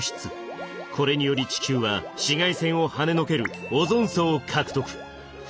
これにより地球は紫外線をはねのけるオゾン層を獲得。